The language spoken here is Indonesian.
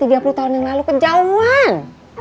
kagak usah tiga puluh tahun yang lalu kejauhan